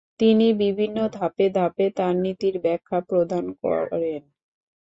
তিনি বিভিন্ন ধাপে ধাপে তার নীতির ব্যাখ্যা প্রদান করেন।